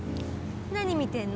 何見てるの？